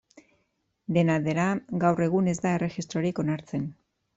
Dena dela, gaur egun ez da erregistrorik onartzen.